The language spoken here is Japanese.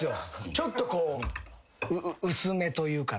ちょっと薄目というか。